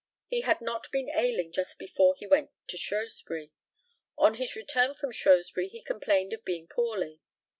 He had not been ailing just before he went to Shrewsbury. On his return from Shrewsbury he complained of being poorly.